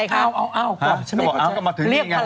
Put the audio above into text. เรียกพลัง